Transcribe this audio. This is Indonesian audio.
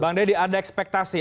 bang dedy ada ekspektasi